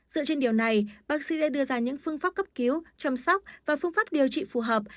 dựa trên điều này bác sĩ đã đưa ra những phương pháp cấp cứu chăm sóc và phương pháp điều trị phù hợp